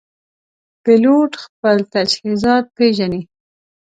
پیلوټ خپل تجهیزات پېژني.